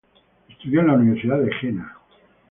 Estudió en la Universidad de Jena.